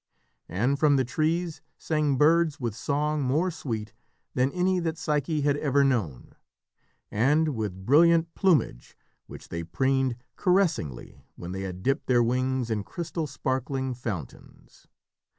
And from the trees sang birds with song more sweet than any that Psyche had ever known, and with brilliant plumage which they preened caressingly when they had dipped their wings in crystal sparkling fountains.